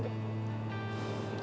ya mau gimana lagi